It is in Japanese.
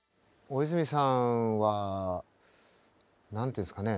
大泉さんは何ていうんですかね